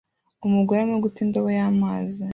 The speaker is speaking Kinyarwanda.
Umugore arimo guta indobo y'amazi